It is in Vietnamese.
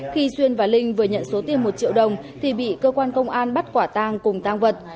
khi xuyên và linh vừa nhận số tiền một triệu đồng thì bị cơ quan công an bắt quả tang cùng tang quả tang